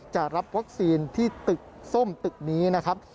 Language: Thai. จะรับวัคซีนที่ตึกส้มตึกนี้นะครับ